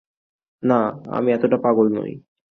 না, আমি এতটা পাগল নই!